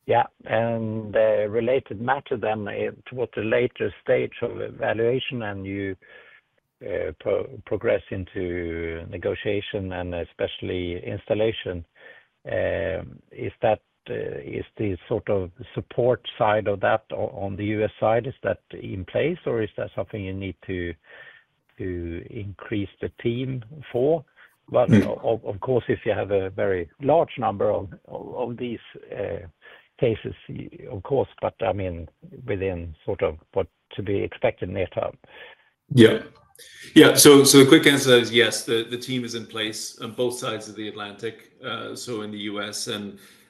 Yeah. And related matter then, towards the later stage of evaluation and you progress into negotiation and especially installation, is that the sort of support side of that on the U.S. side? Is that in place or is that something you need to increase the team for? Of course, if you have a very large number of these cases, of course, but I mean, within sort of what to be expected in the near term. Yeah. Yeah. So the quick answer is yes, the team is in place on both sides of the Atlantic, so in the U.S.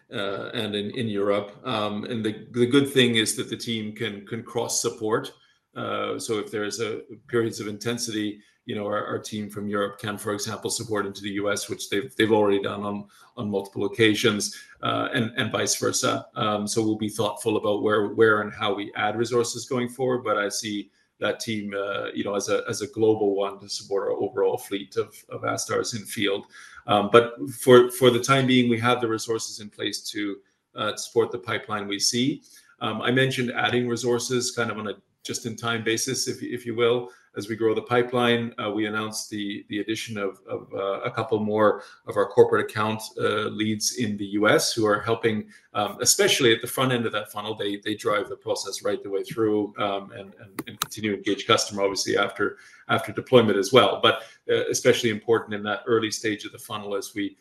and in Europe. And the good thing is that the team can cross support. So if there's periods of intensity, our team from Europe can, for example, support into the U.S., which they've already done on multiple occasions and vice versa. So we'll be thoughtful about where and how we add resources going forward. But I see that team as a global one to support our overall fleet of ASTar’s in field. But for the time being, we have the resources in place to support the pipeline we see. I mentioned adding resources kind of on a just-in-time basis, if you will, as we grow the pipeline. We announced the addition of a couple more of our corporate account leads in the U.S. Who are helping, especially at the front end of that funnel. They drive the process right the way through and continue to engage customers, obviously, after deployment as well. But especially important in that early stage of the funnel as we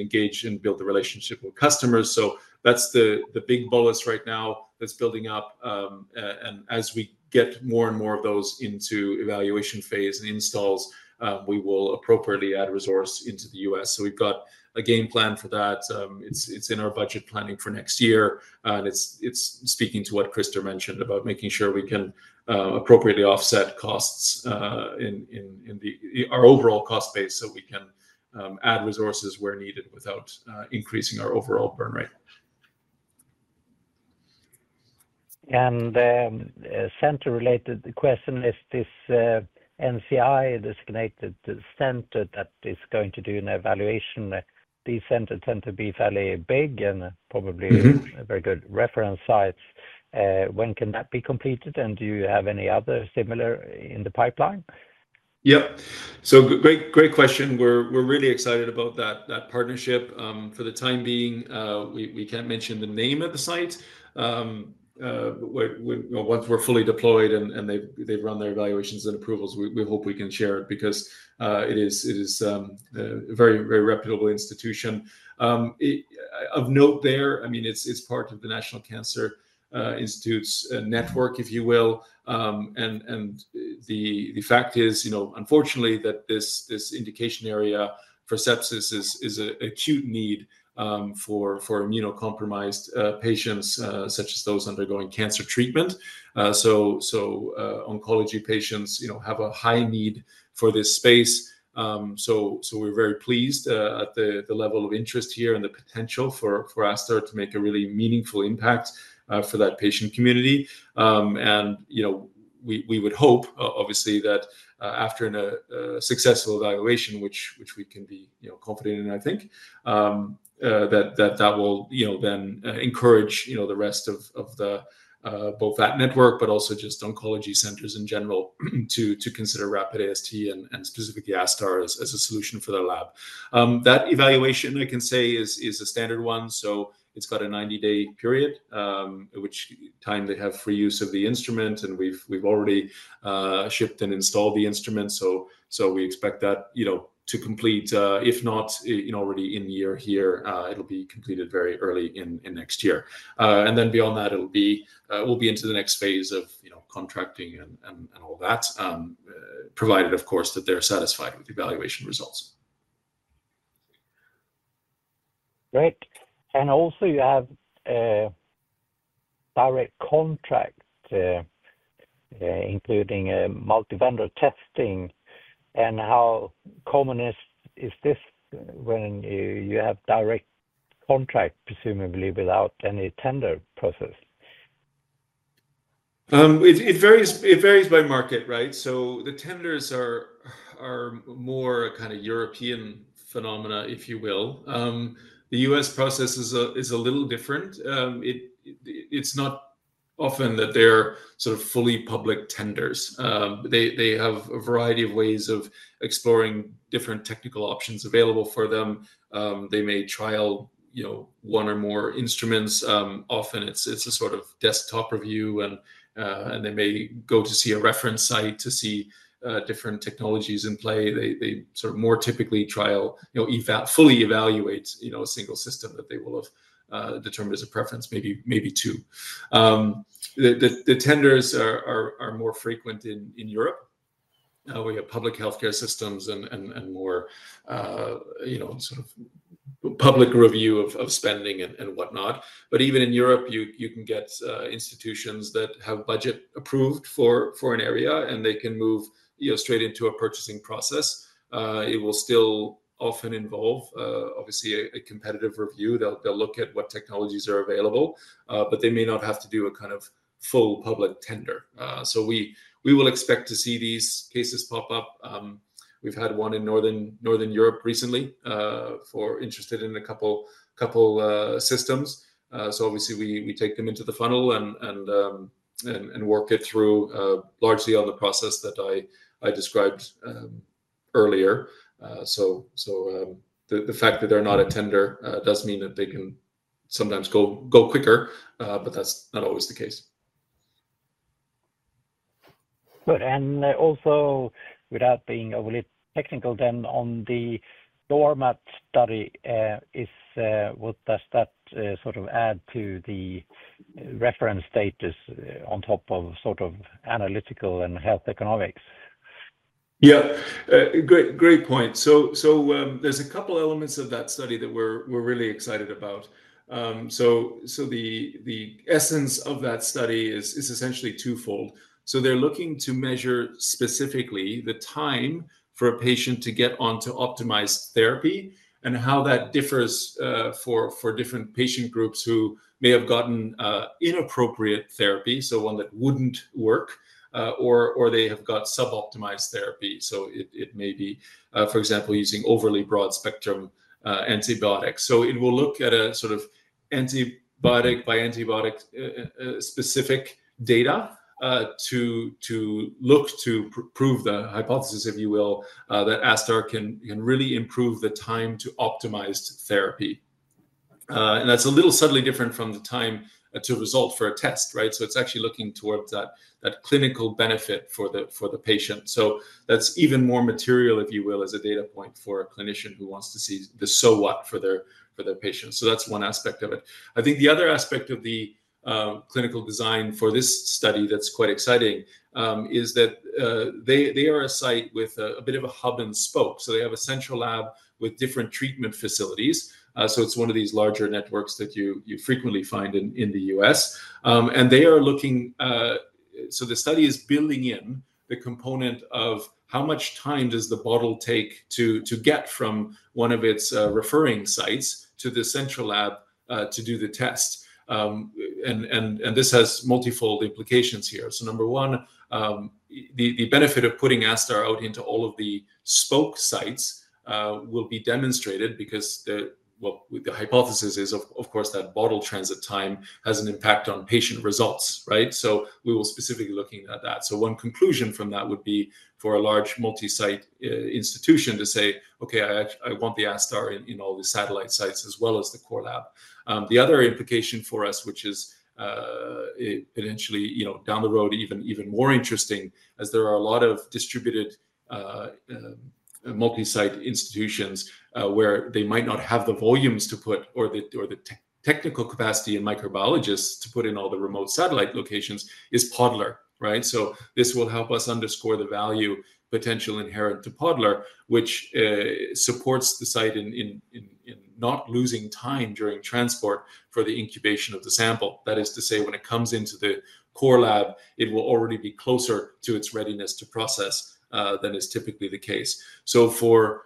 engage and build the relationship with customers. So that's the big bolus right now that's building up. And as we get more and more of those into evaluation phase and installs, we will appropriately add resources into the U.S. So we've got a game plan for that. It's in our budget planning for next year. And it's speaking to what Christer mentioned about making sure we can appropriately offset costs in our overall cost base so we can add resources where needed without increasing our overall burn rate. Center-related question is this NCI designated center that is going to do an evaluation. These centers tend to be fairly big and probably very good reference sites. When can that be completed? Do you have any other similar in the pipeline? Yep. So great question. We're really excited about that partnership. For the time being, we can't mention the name of the site. Once we're fully deployed and they've run their evaluations and approvals, we hope we can share it because it is a very, very reputable institution. Of note there, I mean, it's part of the National Cancer Institute's network, if you will. And the fact is, unfortunately, that this indication area for sepsis is an acute need for immunocompromised patients such as those undergoing cancer treatment. So oncology patients have a high need for this space. So we're very pleased at the level of interest here and the potential for ASTar to make a really meaningful impact for that patient community. We would hope, obviously, that after a successful evaluation, which we can be confident in, I think, that that will then encourage the rest of both that network, but also just oncology centers in general to consider rapid AST and specifically ASTar as a solution for their lab. That evaluation, I can say, is a standard one. It's got a 90-day period, which time they have free use of the instrument. We've already shipped and installed the instrument. We expect that to complete. If not already this year, it'll be completed very early in next year. Beyond that, it'll be into the next phase of contracting and all that, provided, of course, that they're satisfied with evaluation results. Great. And also you have direct contract, including multi-vendor testing. And how common is this when you have direct contract, presumably without any tender process? It varies by market, right? So the tenders are more kind of European phenomena, if you will. The U.S. process is a little different. It's not often that they're sort of fully public tenders. They have a variety of ways of exploring different technical options available for them. They may trial one or more instruments. Often, it's a sort of desktop review. And they may go to see a reference site to see different technologies in play. They sort of more typically trial, fully evaluate a single system that they will have determined as a preference, maybe two. The tenders are more frequent in Europe. We have public healthcare systems and more sort of public review of spending and whatnot. But even in Europe, you can get institutions that have budget approved for an area, and they can move straight into a purchasing process. It will still often involve, obviously, a competitive review. They'll look at what technologies are available, but they may not have to do a kind of full public tender, so we will expect to see these cases pop up. We've had one in Northern Europe recently for interested in a couple systems, so obviously, we take them into the funnel and work it through largely on the process that I described earlier, so the fact that they're not a tender does mean that they can sometimes go quicker, but that's not always the case. Good and also, without being overly technical then, on the Dorman study, what does that sort of add to the reference status on top of sort of analytical and health economics? Yeah. Great point. So there's a couple of elements of that study that we're really excited about. So the essence of that study is essentially twofold. So they're looking to measure specifically the time for a patient to get onto optimized therapy and how that differs for different patient groups who may have gotten inappropriate therapy, so one that wouldn't work, or they have got suboptimized therapy. So it may be, for example, using overly broad spectrum antibiotics. So it will look at a sort of antibiotic-by-antibiotic specific data to look to prove the hypothesis, if you will, that ASTar can really improve the time to optimized therapy. And that's a little subtly different from the time to result for a test, right? So it's actually looking towards that clinical benefit for the patient. So that's even more material, if you will, as a data point for a clinician who wants to see the so what for their patients. So that's one aspect of it. I think the other aspect of the clinical design for this study that's quite exciting is that they are a site with a bit of a hub and spoke. So they have a central lab with different treatment facilities. So it's one of these larger networks that you frequently find in the U.S. And they are looking, so the study is building in the component of how much time does the bottle take to get from one of its referring sites to the central lab to do the test. And this has multifold implications here. So number one, the benefit of putting ASTar out into all of the spoke sites will be demonstrated because the hypothesis is, of course, that bottle transit time has an impact on patient results, right? So we will specifically be looking at that. So one conclusion from that would be for a large multi-site institution to say, "Okay, I want the ASTar in all the satellite sites as well as the core lab." The other implication for us, which is potentially down the road, even more interesting, as there are a lot of distributed multi-site institutions where they might not have the volumes to put or the technical capacity and microbiologists to put in all the remote satellite locations is Podler, right? So this will help us underscore the value potential inherent to Podler, which supports the site in not losing time during transport for the incubation of the sample. That is to say, when it comes into the core lab, it will already be closer to its readiness to process than is typically the case. So for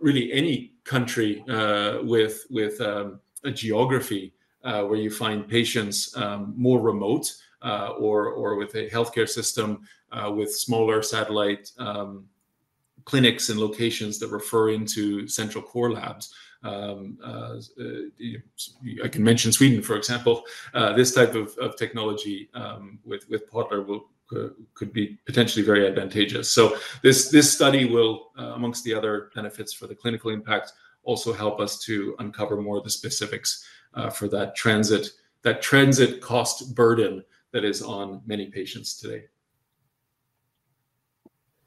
really any country with a geography where you find patients more remote or with a healthcare system with smaller satellite clinics and locations that refer into central core labs, I can mention Sweden, for example. This type of technology with Podler could be potentially very advantageous. So this study will, amongst the other benefits for the clinical impact, also help us to uncover more of the specifics for that transit cost burden that is on many patients today.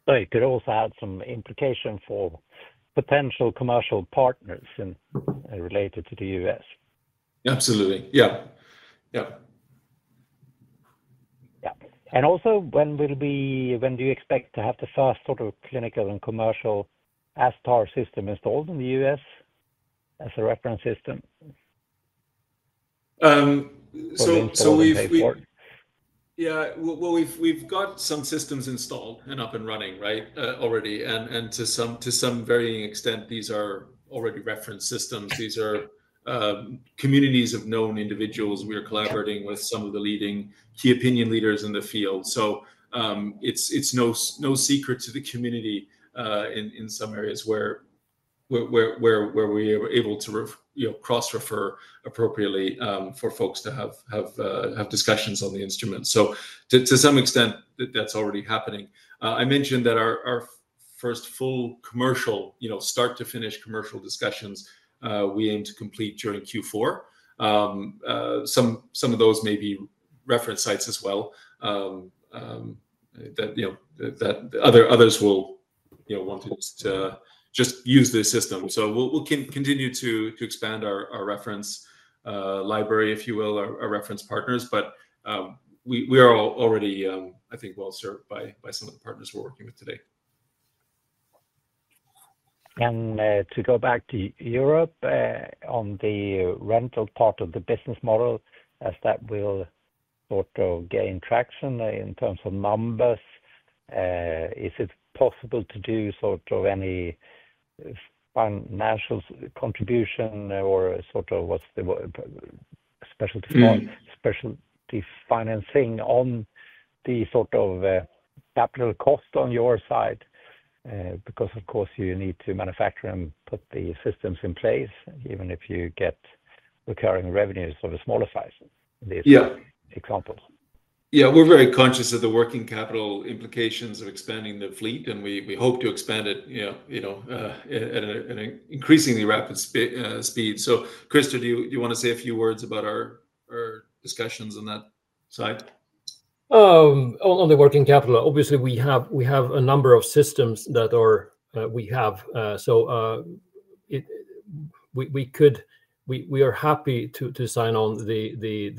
So it could also add some implication for potential commercial partners related to the U.S. Absolutely. Yeah. Yeah. Yeah, and also, when do you expect to have the first sort of clinical and commercial ASTar system installed in the U.S. as a reference system? So we've got some systems installed and up and running, right, already. And to some varying extent, these are already reference systems. These are communities of known individuals. We are collaborating with some of the leading key opinion leaders in the field. So it's no secret to the community in some areas where we are able to cross-refer appropriately for folks to have discussions on the instrument. So to some extent, that's already happening. I mentioned that our first full commercial start-to-finish discussions, we aim to complete during Q4. Some of those may be reference sites as well that others will want to just use this system. So we'll continue to expand our reference library, if you will, our reference partners. But we are already, I think, well served by some of the partners we're working with today. To go back to Europe on the rental part of the business model, has that will sort of gain traction in terms of numbers? Is it possible to do sort of any financial contribution or sort of what's the specialty financing on the sort of capital cost on your side? Because, of course, you need to manufacture and put the systems in place, even if you get recurring revenues of a smaller size, in this example. Yeah. We're very conscious of the working capital implications of expanding the fleet. And we hope to expand it at an increasingly rapid speed. So Christer, do you want to say a few words about our discussions on that side? On the working capital, obviously, we have a number of systems that we have. So we are happy to sign on the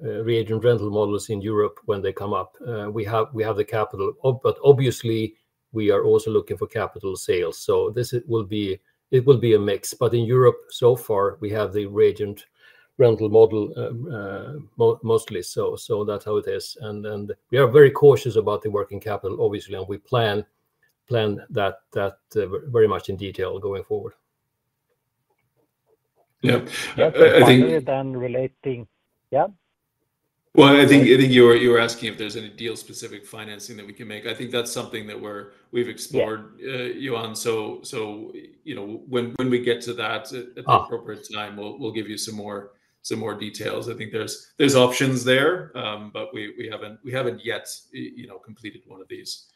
reagent rental models in Europe when they come up. We have the capital. But obviously, we are also looking for capital sales. So it will be a mix. But in Europe, so far, we have the reagent rental model mostly. So that's how it is. And we are very cautious about the working capital, obviously. And we plan that very much in detail going forward. Yeah. Earlier than relating. Yeah? I think you were asking if there's any deal-specific financing that we can make. I think that's something that we've explored, Johan. So when we get to that at the appropriate time, we'll give you some more details. I think there's options there, but we haven't yet completed one of these.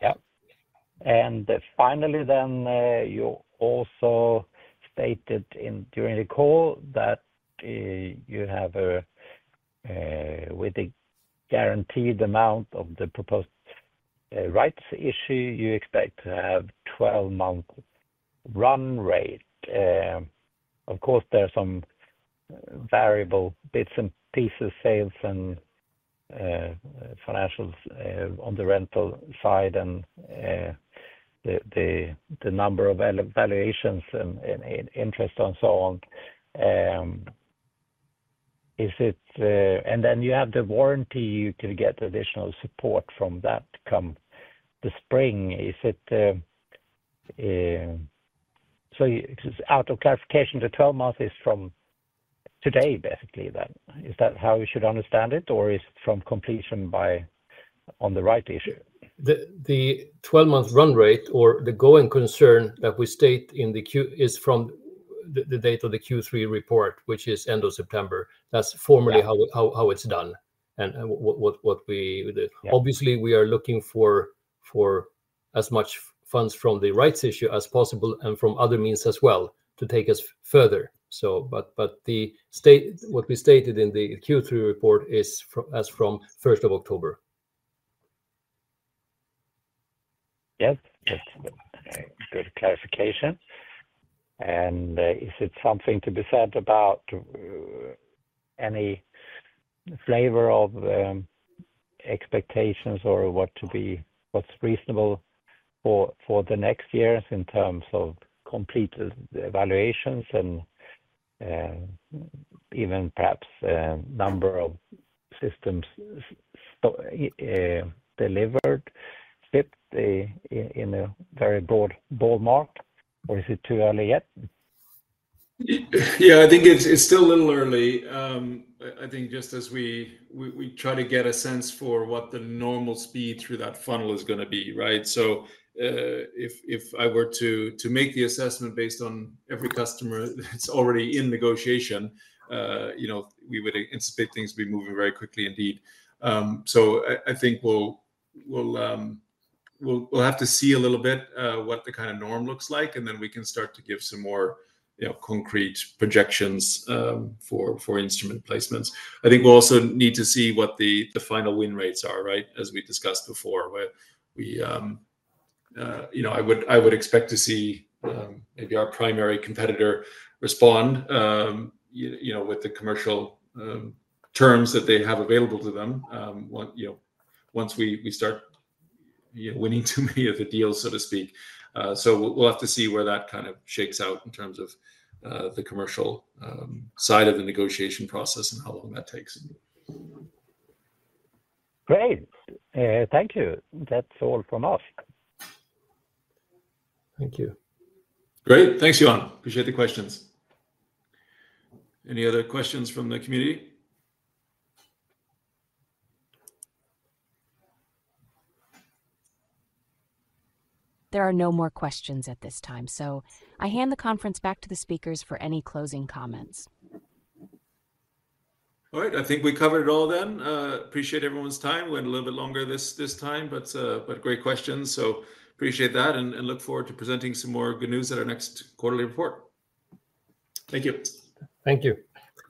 Yeah. And finally then, you also stated during the call that you have a guaranteed amount of the proposed rights issue. You expect to have 12-month run rate. Of course, there are some variable bits and pieces, sales, and financials on the rental side and the number of valuations and interest and so on. And then you have the warrants you can get additional support from that come the spring. So, for clarification, the 12 months is from today, basically. Is that how you should understand it? Or is it from completion of the rights issue? The 12-month run rate or the going concern that we state in the Q is from the date of the Q3 report, which is end of September. That's formally how it's done and what we do. Obviously, we are looking for as much funds from the rights issue as possible and from other means as well to take us further. But what we stated in the Q3 report is as from 1st of October. Yes. Good clarification. And is it something to be said about any flavor of expectations or what's reasonable for the next years in terms of completed evaluations and even perhaps number of systems delivered in a very broad ballpark? Or is it too early yet? Yeah. I think it's still a little early. I think just as we try to get a sense for what the normal speed through that funnel is going to be, right? So if I were to make the assessment based on every customer that's already in negotiation, we would anticipate things to be moving very quickly, indeed. So I think we'll have to see a little bit what the kind of norm looks like, and then we can start to give some more concrete projections for instrument placements. I think we'll also need to see what the final win rates are, right, as we discussed before. I would expect to see maybe our primary competitor respond with the commercial terms that they have available to them once we start winning too many of the deals, so to speak. So we'll have to see where that kind of shakes out in terms of the commercial side of the negotiation process and how long that takes. Great. Thank you. That's all from us. Thank you. Great. Thanks, Johan. Appreciate the questions. Any other questions from the community? There are no more questions at this time. So I hand the conference back to the speakers for any closing comments. All right. I think we covered it all then. Appreciate everyone's time. We went a little bit longer this time, but great questions. So appreciate that and look forward to presenting some more good news at our next quarterly report. Thank you. Thank you.